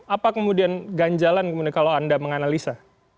apa kemudian ganjalan kemudian kalau anda menganalisa